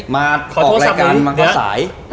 มาเผาคลิกรายการมาเข้าสาย